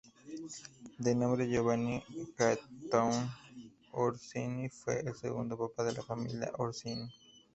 De nombre Giovanni Gaetano Orsini, fue el segundo papa de la familia Orsini.